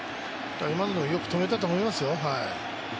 今のもよく止めたと思いますよ。